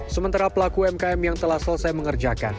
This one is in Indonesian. sementara pelaku umkm yang telah selesai mengerjakan